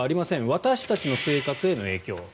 私たちの生活への影響。